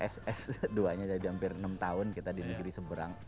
ss dua nya jadi hampir enam tahun kita di negeri seberang